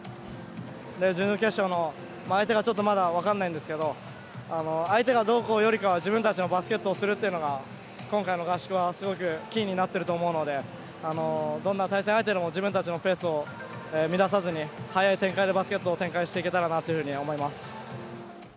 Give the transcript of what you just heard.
準々決勝の相手がまだ分からないんですけど、相手がどうこうよりかは自分たちのバスケットをするっていうのが今回の合宿はすごくキーになっていると思うので、どんな対戦相手でも自分たちのペースを乱さずに早い展開のバスケットを展開していけたらと思います。